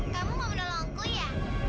kamu mau bernolongku ya